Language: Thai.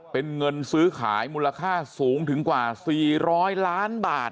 เป็นเงินซื้อขายมูลค่าสูงถึงกว่า๔๐๐ล้านบาท